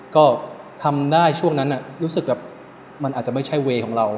ก็ทำได้ช่วงนั้นรู้สึกแบบมันอาจจะไม่ใช่เวย์ของเรา